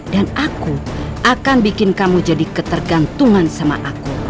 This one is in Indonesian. dan aku akan bikin kamu jadi ketergantungan sama aku roy